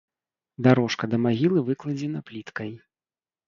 Дарожка да магілы выкладзена пліткай.